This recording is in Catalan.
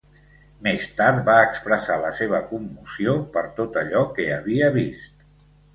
Més tard va expressar la seva commoció per tot allò que havia vist.